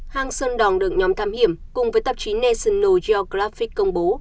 hang sơn đỏng được nhóm thám hiểm cùng với tạp chí national geographic công bố